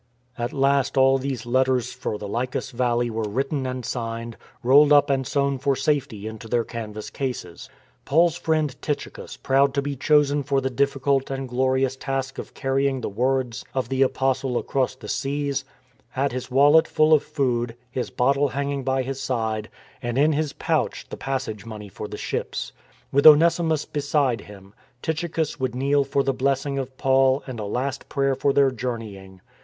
At last all these letters for the Lycus Valley were written and signed, rolled up and sewn for safety into their canvas cases. Paul's friend, Tychicus, proud to be chosen for the difficult and glorious task of carry ing the words of the apostle across the seas, had his wallet full of food, his bottle hanging by his side, and in his pouch the passage money for the ships. With Onesimus beside him, Tychicus would kneel for the blessing of Paul and a last prayer for their journey ing.